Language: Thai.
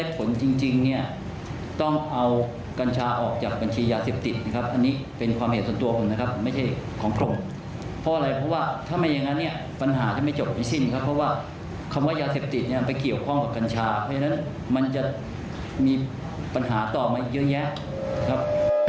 เพราะฉะนั้นมันจะมีปัญหาต่อมาเยอะแยะครับ